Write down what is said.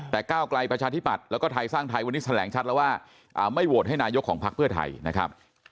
แต่ก้าวไกลประชาธิปัตย์แล้วก็ไทยสร้างไทยวันนี้แถลงชัดแล้วว่าไม่โหวตให้นายกของพักเพื่อไทยนะครับ